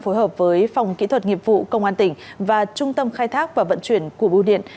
phối hợp với phòng kỹ thuật nghiệp vụ công an tỉnh và trung tâm khai thác và vận chuyển của bưu điện